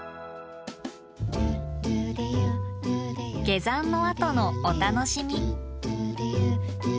下山のあとのお楽しみ。